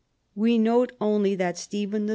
We note onl}'^ that Stephen III.'